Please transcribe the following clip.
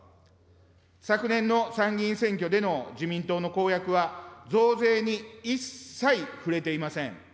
昨年の参議院選挙での自民党の公約は増税に一切触れていません。